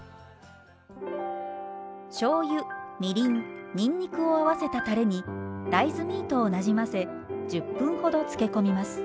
しょうゆみりんにんにくを合わせたたれに大豆ミートをなじませ１０分ほどつけ込みます。